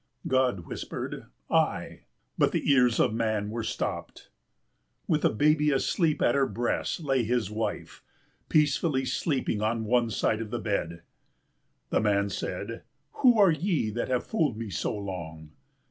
God whispered, "I," but the ears of the man were stopped. With a baby asleep at her breast lay his wife, peacefully sleeping on one side of the bed. The man said, "Who are ye that have fooled me so long?"